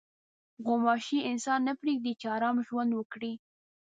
غوماشې انسان نه پرېږدي چې ارام ژوند وکړي.